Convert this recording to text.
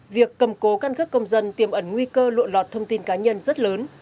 việc cầm cố căn cước công dân tiềm ẩn nguy cơ lộn lọt thông tin cá nhân rất lớn